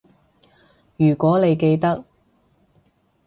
如果你記得